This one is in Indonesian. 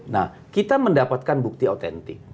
nah kita mendapatkan bukti otentik